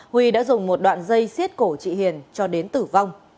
huy đã dùng một đoạn dây xiết cổ chị hiền cho đến tử vong